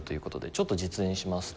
ちょっと実演しますと。